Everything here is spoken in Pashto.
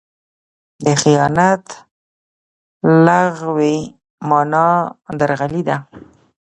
د خیانت لغوي مانا؛ درغلي ده.